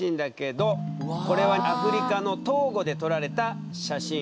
これはアフリカのトーゴで撮られた写真。